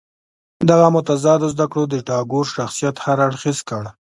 دغو متضادو زده کړو د ټاګور شخصیت هر اړخیز کړ.